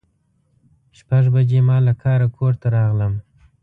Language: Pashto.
شپږ بجې ما له کاره کور ته راغلم.